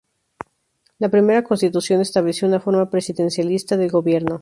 La primera Constitución estableció una forma presidencialista de gobierno.